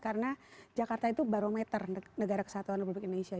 karena jakarta itu barometer negara kesatuan republik indonesia